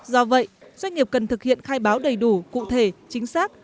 do vậy doanh nghiệp cần thực hiện khai báo đầy đủ cụ thể chính xác